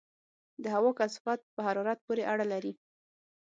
د هوا کثافت په حرارت پورې اړه لري.